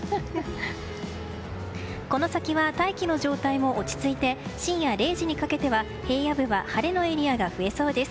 この先は大気の状態も落ち着いて深夜０時にかけては、平野部は晴れのエリアが増えそうです。